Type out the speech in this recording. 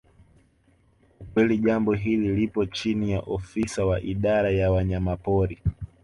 Ukweli jambo hili lipo chini ya ofisa wa idara ya wanyamapori